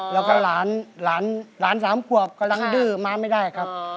แล้วก็หลาน๓ขวบกำลังดื้อมาไม่ได้ครับ